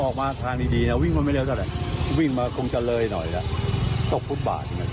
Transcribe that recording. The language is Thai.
ครับ